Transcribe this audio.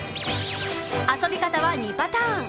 遊び方は２パターン。